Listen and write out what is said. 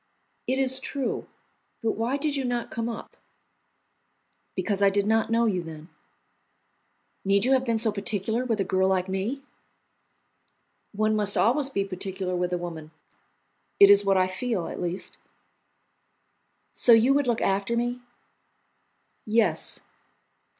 "It is true, but why did you not come up?" "Because I did not know you then." "Need you have been so particular with a girl like me?" "One must always be particular with a woman; it is what I feel, at least." "So you would look after me?" "Yes."